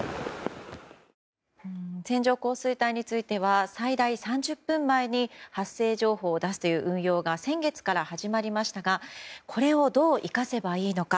線状降水帯については最大３０分前に発生情報を出すという運用が先月から始まりましたがこれをどう生かせばいいのか。